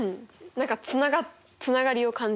何かつながつながりを感じた。